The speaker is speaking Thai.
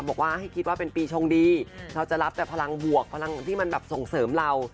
บอกว่าให้คิดว่าเป็นปีชงดีเราจะรับแต่พลังบวกพลังที่มันแบบส่งเสริมเรา